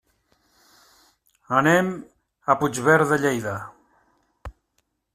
Anem a Puigverd de Lleida.